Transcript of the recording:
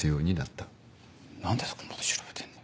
何でそこまで調べてんだ。